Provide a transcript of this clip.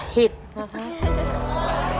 ผิดนะคะ